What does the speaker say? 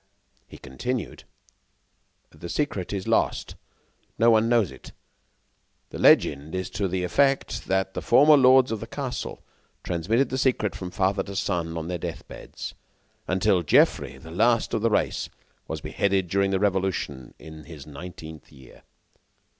Then he continued: "The secret is lost. No one knows it. The legend is to the effect that the former lords of the castle transmitted the secret from father to son on their deathbeds, until Geoffroy, the last of the race, was beheaded during the Revolution in his nineteenth year."